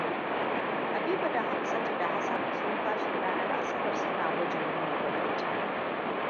Habibu, Hamsatu da Hassan sun kwashe ranar Asabar suna gwajin nuna gwaninta.